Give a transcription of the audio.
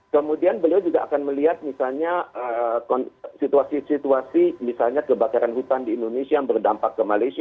kemudian beliau juga akan melihat misalnya situasi situasi misalnya kebakaran hutan di indonesia yang berdampak ke malaysia